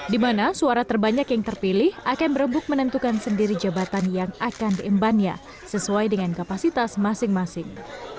di mana suara terbanyak yang terpilih akan berembuk menentukan sendiri jabatan yang akan diembannya sesuai dengan kapasitas masing masing